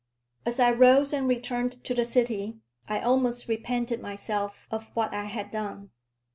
As I rose and returned to the city, I almost repented myself of what I had done.